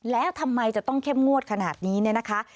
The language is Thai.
และทำไมจะต้องเข้มงวดขนาดนี้นะคะ